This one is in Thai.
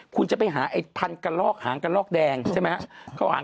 คุณจะไปหายไอ้พันธุ์กระลอกหางกะลอกแดงใช่ไหม